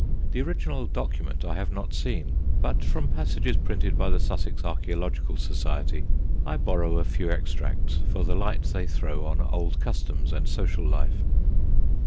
The original document I have not seen, but from passages printed by the Sussex Archæological Society I borrow a few extracts for the light they throw on old customs and social life.